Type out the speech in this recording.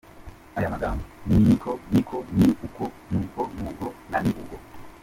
Ayo magambo ni ni ko, niko, ni uko, nuko, nubwo, na ni ubwo.